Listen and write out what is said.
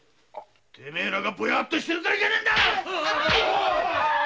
てめえらがボヤッとしてるからいけねえんだ